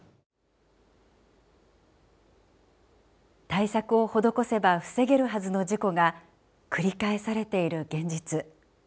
対策を施せば防げるはずの事故が繰り返されている現実。